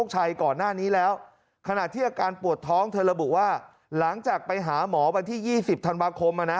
หลังจากไปหาหมอวันที่๒๐ธนวาคมอ่ะนะ